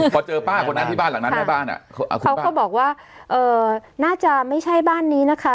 เขาก็บอกว่าน่าจะไม่ใช่บ้านนี้นะคะ